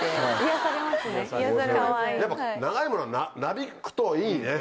やっぱ長いものはなびくといいね。